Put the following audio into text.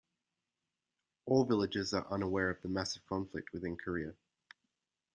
All villagers are unaware of the massive conflict within Korea.